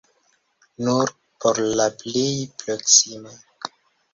Nur por la plej proksima!